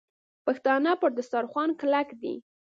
پښتانه پر دسترخوان کلک دي.